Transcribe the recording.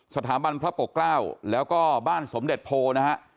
สถาบันพระปกเกล้าแล้วก็บ้านสมเด็จโพนะฮะ